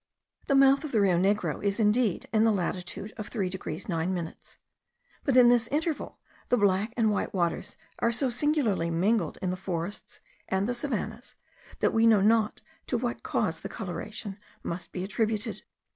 The mouth of the Rio Negro is indeed in the latitude of 3 degrees 9 minutes; but in this interval the black and white waters are so singularly mingled in the forests and the savannahs, that we know not to what cause the coloration must be attributed.